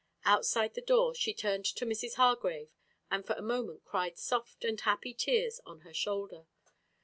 Outside the door she turned to Mrs. Hargrave and for a moment cried soft and happy tears on her shoulder.